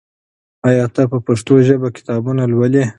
آیا ته په پښتو ژبه کتابونه لولې؟